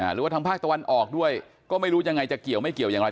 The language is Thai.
หรือว่าทางภาคตะวันออกด้วยก็ไม่รู้ยังไงจะเกี่ยวไม่เกี่ยวอย่างไร